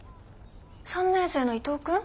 ３年生の伊藤君？